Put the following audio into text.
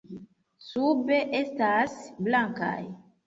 Sube estas blankaj.